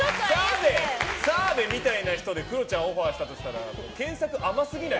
澤部みたいな人でクロちゃんをオファーしたら検索甘すぎない？